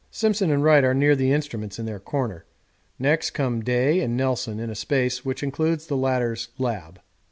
Simpson and Wright are near the instruments in their corner. Next come Day and Nelson in a space which includes the latter's 'Lab.'